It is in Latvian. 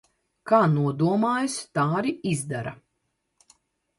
Kā nodomājusi, tā arī izdara.